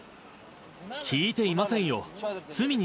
聴いていませんよ。